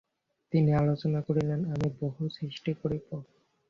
তিনি আলোচনা করিলেন আমি বহু সৃষ্টি করিব।